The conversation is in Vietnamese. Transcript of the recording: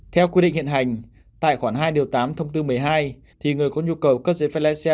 theo quy định hiện hành tại khoảng hai tám thông tư một mươi hai người có nhu cầu cấp giấy phép lái xe